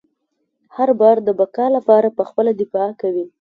هر باور د بقا لپاره پخپله دفاع کوي.